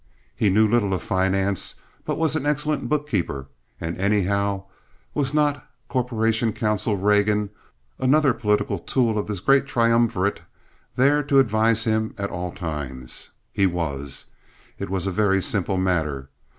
He knew little of finance, but was an excellent bookkeeper; and, anyhow, was not corporation counsel Regan, another political tool of this great triumvirate, there to advise him at all times? He was. It was a very simple matter.